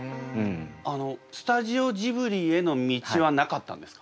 あのスタジオジブリへの道はなかったんですか？